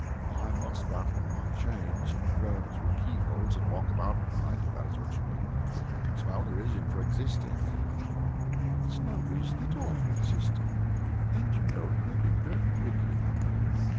I must rattle my chains, and groan through keyholes, and walk about at night, if that is what you mean. It is my only reason for existing." "It is no reason at all for existing, and you know you have been very wicked.